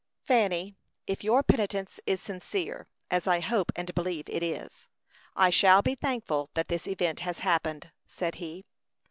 "Fanny, if your penitence is sincere, as I hope and believe it is, I shall be thankful that this event has happened," said he.